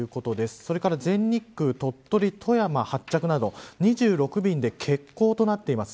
それから全日空鳥取、富山発着など２６便で欠航となっています。